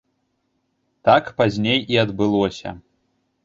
Так пазней і адбылося.